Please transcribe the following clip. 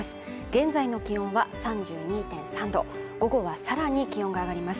現在の気温は３２．３度午後はさらに気温が上がります